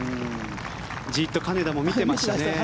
じっと金田も見ていましたね。